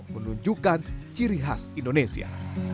menunjukkan ciri khas indonesia